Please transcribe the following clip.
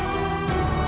aku akan menunggu